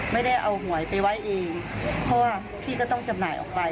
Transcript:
ไม่ได้เอาหวยไปไว้เองเพราะว่าพี่ก็ต้องจำหน่ายออกไป